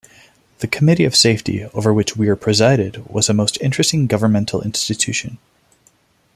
The Committee of Safety, over which Weare presided, was a most interesting governmental institution.